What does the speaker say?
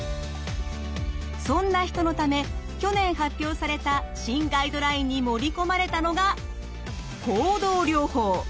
そんな人のため去年発表された新ガイドラインに盛り込まれたのが行動療法。